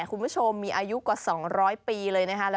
คุณผู้ชมมีอายุกว่า๒๐๐ปีเลยนะคะ